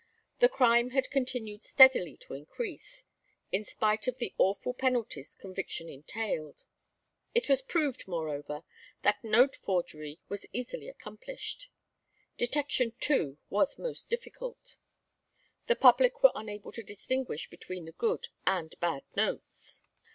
The crime had continued steadily to increase, in spite of the awful penalties conviction entailed. It was proved, moreover, that note forgery was easily accomplished. Detection, too, was most difficult. The public were unable to distinguish between the good and bad notes.